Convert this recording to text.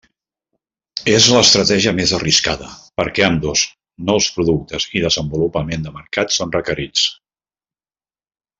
És l'estratègia més arriscada perquè ambdós, nous productes i desenvolupament de mercat son requerits.